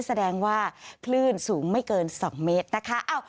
แสดงว่าคลื่นสูงไม่เกิน๒เมตรนะคะ